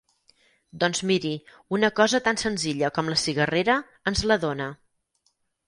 Doncs miri, una cosa tan senzilla com la cigarrera ens la dóna.